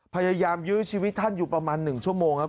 พยายามยื้อชีวิตท่านอยู่ประมาณ๑ชั่วโมงครับ